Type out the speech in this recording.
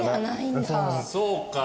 そうか。